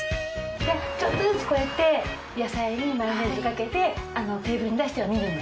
じゃあちょっとずつこうやって野菜にマヨネーズかけてテーブルに出してはみるのね？